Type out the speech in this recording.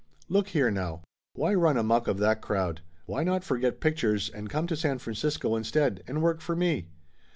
Look here, now ! Why run amuck of that crowd? Why not forget pictures and come to San Francisco instead, and work for me?"